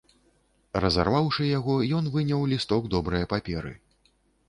Разарваўшы яго, ён выняў лісток добрае паперы.